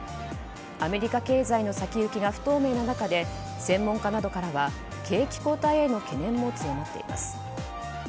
アメリカ経済の先行きが不透明な中で専門家などからは景気後退への懸念も強まっています。